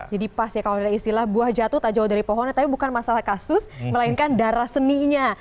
jadi pas ya kalau ada istilah buah jatuh tak jauh dari pohonnya tapi bukan masalah kasus melainkan darah seninya